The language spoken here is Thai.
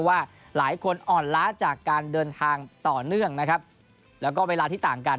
ว่าหลายคนอ่อนล้าจากการเดินทางต่อเนื่องนะครับแล้วก็เวลาที่ต่างกัน